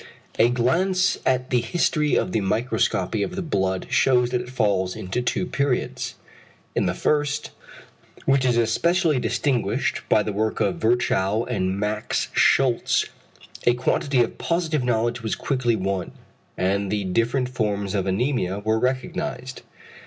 A glance at the history of the microscopy of the blood shews that it falls into two periods. In the first, which is especially distinguished by the work of Virchow and Max Schultze, a quantity of positive knowledge was quickly won, and the different forms of anæmia were recognised.